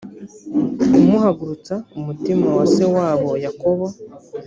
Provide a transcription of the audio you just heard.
kumuhagurutsa umutima wa se wabo yakobo